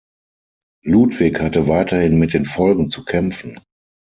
Ludwig hatte weiterhin mit den Folgen zu kämpfen.